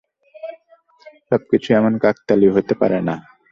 সবকিছু এমন কাকতালীয় হতে পারে না।